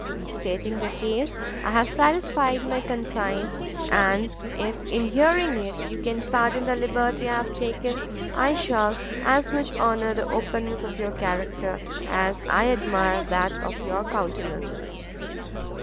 In stating the case I have satisfied my conscience, and if in hearing it you can pardon the liberty I have taken, I shall as much honour the openness of your character, as I admire that of your countenance."